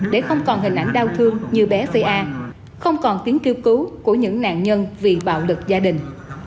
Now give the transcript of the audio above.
để không còn hình ảnh đau thương như bé ph a không còn tiếng kêu cứu của những nạn nhân vì bạo lực gia đình